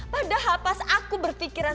padahal pas aku berpikiran